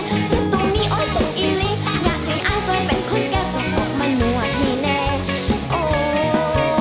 เจ็บตรงนี้โอ๊ยทุกอีรีอยากให้อายใส่เป็นคนแก้ปลอดปลอกมาหนวดให้แน่